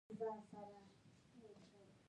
ټپي ته باید یو ښه پیغام ورکړو.